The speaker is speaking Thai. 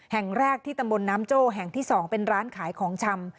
แห่งแรกที่ตำบลน้ำโจ้แห่งที่๒เป็นร้านขายของชำ